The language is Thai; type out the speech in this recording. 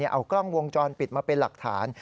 เอากล้องวงจรปิดมาเป็นหลักฐาน